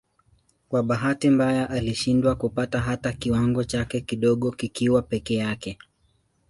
Kwa bahati mbaya alishindwa kupata hata kiwango chake kidogo kikiwa peke yake.